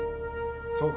そうか。